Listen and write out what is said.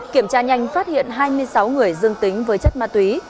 kiểm tra nhanh phát hiện hai mươi sáu người dương tính với chất ma túy